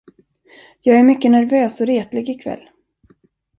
Jag är mycket nervös och retlig i kväll.